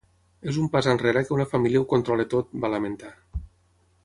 És un pas enrere que una família ho controli tot, va lamentar.